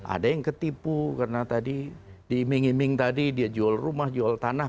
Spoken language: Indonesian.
ada yang ketipu karena tadi di iming iming tadi dia jual rumah jual tanah